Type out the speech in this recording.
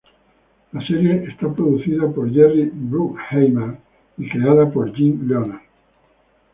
La serie es producida por Jerry Bruckheimer y creada por Jim Leonard.